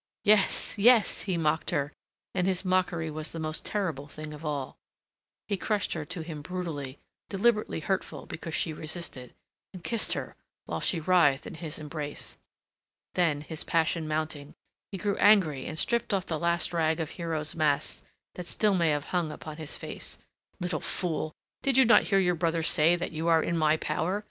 "Yes, yes," he mocked her, and his mockery was the most terrible thing of all. He crushed her to him brutally, deliberately hurtful because she resisted, and kissed her whilst she writhed in his embrace. Then, his passion mounting, he grew angry and stripped off the last rag of hero's mask that still may have hung upon his face. "Little fool, did you not hear your brother say that you are in my power?